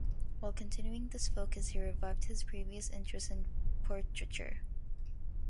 While continuing this focus, he revived his previous interest in portraiture.